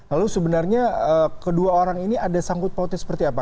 lalu sebenarnya kedua orang ini ada sangkut pautnya seperti apa